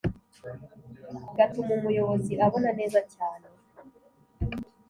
gatuma umuyobozi abona neza cyane.